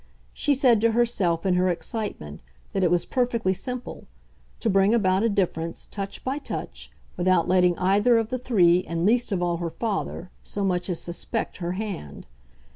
She said to herself, in her excitement, that it was perfectly simple: to bring about a difference, touch by touch, without letting either of the three, and least of all her father, so much as suspect her hand.